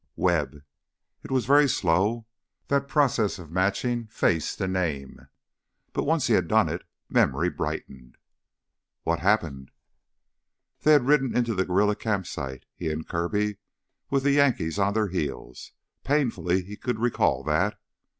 "Webb...." It was very slow, that process of matching face to name. But once he had done it, memory brightened. "What happened ?" They had ridden into the guerrilla camp site, he and Kirby, with the Yankees on their heels. Painfully he could recall that.